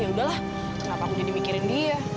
ya udahlah kenapa aku jadi mikirin dia